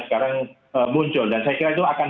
sekarang muncul dan saya kira itu akan